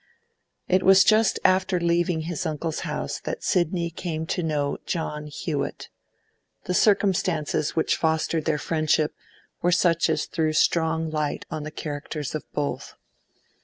It was just after leaving his uncle's house that Sidney came to know John Hewett; the circumstances which fostered their friendship were such as threw strong light on the characters of both.